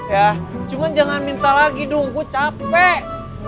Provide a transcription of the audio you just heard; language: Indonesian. ya cuman jangan minta lagi dong gua capek